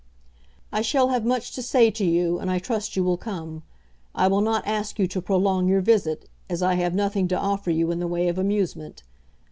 I shall have much to say to you, and I trust you will come. I will not ask you to prolong your visit, as I have nothing to offer you in the way of amusement.